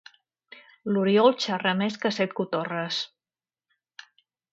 L'Oriol xerra més que set cotorres.